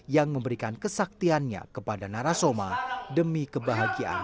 yang memberikan kesaktiannya kepada narasoma demi kebahagiaan sang anak